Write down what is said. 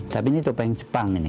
tapi ini topeng jepang ini